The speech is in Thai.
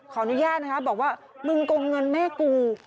ขออนุญาตนะคะบอกว่ามึงโกงเงินแม่กู